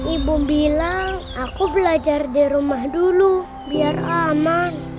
ibu bilang aku belajar di rumah dulu biar aman